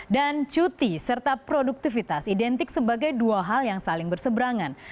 dan cuti serta produktivitas identik sebagai dua hal yang saling berseberangan